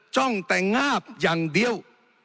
จ้องแต่งาบอย่างเดียว